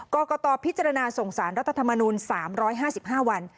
กรกตพิจารณาส่งสารรัฐธรรมนูล๓๕๕วัน